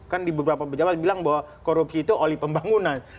kan di beberapa pejabat bilang bahwa korupsi itu oli pembangunan